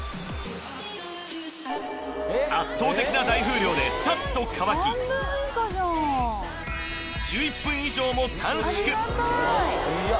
圧倒的な大風量でサッと乾き１１分以上も短縮